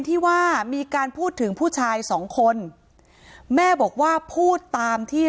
ที่ว่ามีการพูดถึงผู้ชายสองคนแม่บอกว่าพูดตามที่